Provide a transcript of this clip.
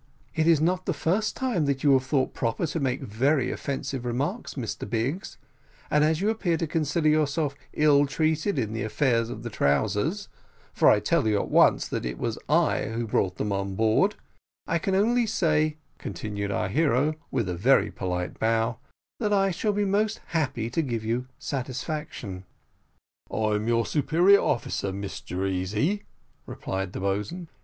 "It is not the first time that you have thought proper to make very offensive remarks, Mr Biggs; and as you appear to consider yourself ill treated in the affair of the trousers, for I tell you at once, that it was I who brought them on board, I can only say," continued our hero, with a very polite bow, "that I shall be most happy to give you satisfaction." "I am your superior officer, Mr Easy," replied the boatswain.